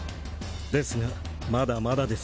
ですがまだまだです